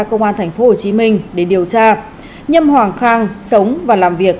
công an thành phố hồ chí minh để điều tra nhâm hoàng khang sống và làm việc